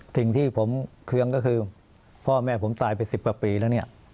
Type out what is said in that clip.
สิ่งที่ผมเคืองก็คือพ่อแม่ผมตายไป๑๐กว่าปีแล้วเนี่ย